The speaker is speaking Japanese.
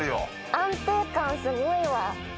安定感すごいわ。